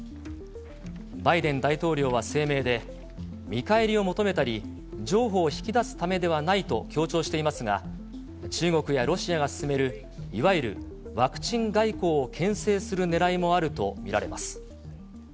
バイデン大統領は声明で、見返りを求めたり、譲歩を引き出すためではないと強調していますが、中国やロシアが進める、いわゆるワクチン外交をけん制するねらいもあると見られます。